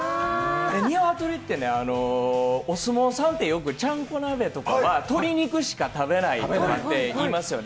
鶏ってね、お相撲さんってよくちゃんこ鍋で鶏肉しか食べないとかって言いますよね。